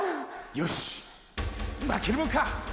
よし負けるもんか！